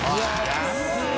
安い！